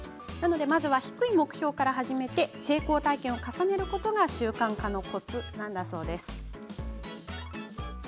まずは低い目標から始めて成功体験を重ねることが習慣化のコツなんだそうです。